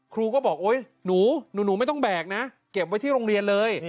ครูก็บอกโอ๊ยหนูหนูไม่ต้องแบกนะเก็บไว้ที่โรงเรียนเลย